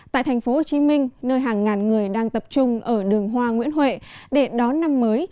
tại thành phố hồ chí minh nơi hàng ngàn người đang tập trung ở đường hoa nguyễn huệ để đón năm mới